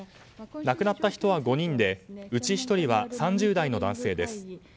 亡くなった人は５人でうち１人は３０代の男性です。